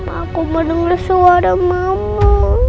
aku mau denger suara mama